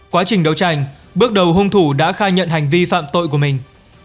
quá trình đấu tranh bước đầu hung thủ đã khai nhận hành vi phạm tội của mình